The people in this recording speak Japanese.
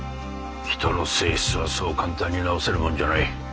人の性質はそう簡単に治せるもんじゃない。